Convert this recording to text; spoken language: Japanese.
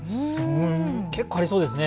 結構ありそうですよね。